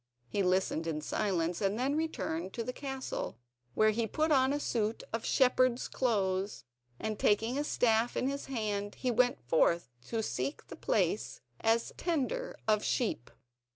He listened in silence, and then returned to the castle, where he put on a suit of shepherd's clothes, and taking a staff in his hand, he went forth to seek a place as tender of sheep.